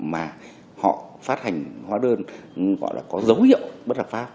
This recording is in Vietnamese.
mà họ phát hành hóa đơn gọi là có dấu hiệu bất hợp pháp